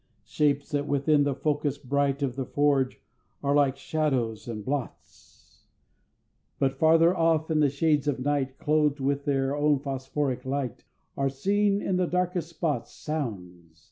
Shapes, that within the focus bright Of the Forge, are like shadows and blots; But farther off, in the shades of night, Clothed with their own phosphoric light, Are seen in the darkest spots. Sounds!